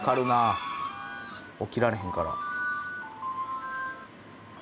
起きられへんから。